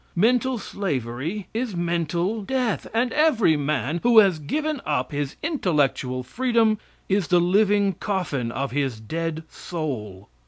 Mental slavery is mental death, and every man who has given up his intellectual freedom is the living coffin of his dead soul.